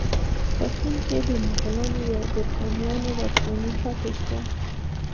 په هند کې د مغلانو یا ګورکانیانو واکمني پاتې شوه.